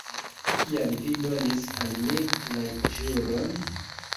Kial vi donis al mi la ĵuron?